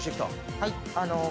はい。